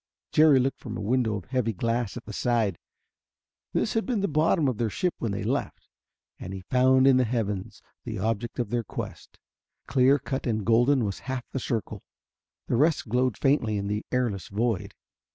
Jerry looked from a window of heavy glass at the side. This had been the bottom of their ship when they left. And he found in the heavens the object of their quest. Clear cut and golden was half the circle; the rest glowed faintly in the airless void.